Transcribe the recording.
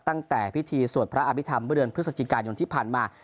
ตั้งแต่พิธีสวดพระอภิษฐรรมเมื่อเดือนพฤศจิกายนที่ผ่านมา